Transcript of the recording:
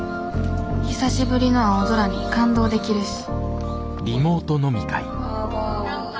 久しぶりの青空に感動できるし「乾杯」。